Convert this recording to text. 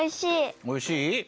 おいしい？